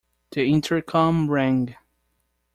The intercom rang.